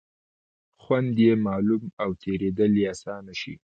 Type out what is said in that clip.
خوند یې معلوم او تېرېدل یې آسانه شي.